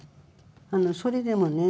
あのそれでもね